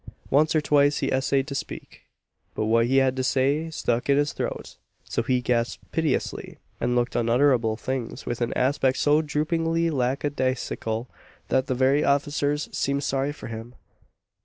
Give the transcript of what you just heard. Once or twice he essayed to speak, but what he had to say stuck in his throat. So he gasped piteously; and looked unutterable things, with an aspect so droopingly lack a daisical, that the very officers seemed sorry for him.